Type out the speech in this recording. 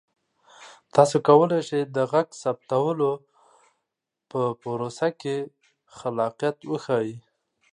تاسو کولی شئ د غږ ثبتولو په پروسه کې خلاقیت وښایئ.